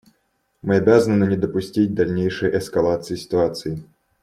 Мы обязаны не допустить дальнейшей эскалации ситуации.